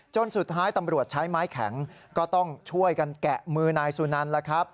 สุดท้ายตำรวจใช้ไม้แข็งก็ต้องช่วยกันแกะมือนายสุนันแล้วครับ